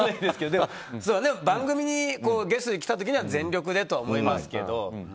でも番組にゲストで来た時には全力でとは思いますけど。